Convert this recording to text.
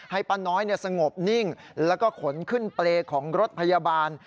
ป้าน้อยสงบนิ่งแล้วก็ขนขึ้นเปรย์ของรถพยาบาล